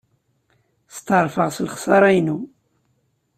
Steɛṛfeɣ s lexṣara-inu.